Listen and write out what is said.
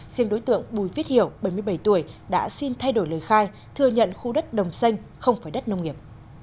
riêng đối tượng bùi viết hiểu bảy mươi bảy tuổi đã xin thay đổi lời khai thừa nhận khu đất đồng xanh không phải đất nông nghiệp